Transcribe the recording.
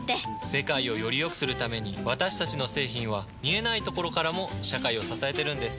世界をよりよくするために私たちの製品は見えないところからも社会を支えてるんです。